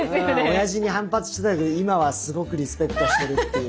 親父に反発してたけど今はすごくリスペクトしてるっていう。